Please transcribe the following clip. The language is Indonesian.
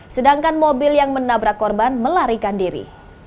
sedangkan mobil yang menabrak korban melarikan diri